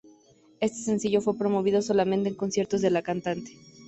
Este sencillo fue promovido solamente en conciertos de la cantante.